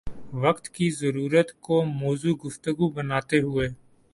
وقت کی ضرورت کو موضوع گفتگو بناتے ہوئے